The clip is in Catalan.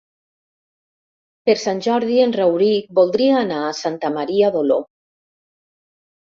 Per Sant Jordi en Rauric voldria anar a Santa Maria d'Oló.